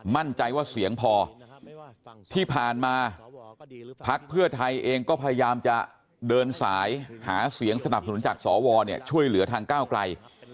มั่นใจว่าเสียงพอที่ผ่านมาพักเพื่อไทยเองก็พยายามจะเดินสายหาเสียงสนับสนุนจากสวช่วยเหลือทางก้าวไกล